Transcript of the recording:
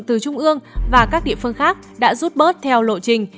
từ trung ương và các địa phương khác đã rút bớt theo lộ trình